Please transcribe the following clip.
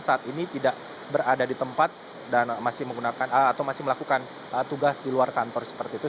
saat ini tidak berada di tempat dan masih menggunakan atau masih melakukan tugas di luar kantor seperti itu